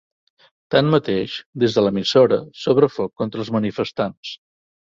Tanmateix, des de l'emissora s'obre foc contra els manifestants.